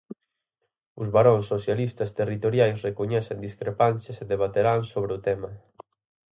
Os baróns socialistas territoriais recoñecen discrepancias e debaterán sobre o tema.